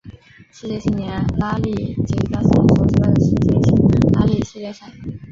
世界青年拉力锦标赛所举办的世界性拉力系列赛。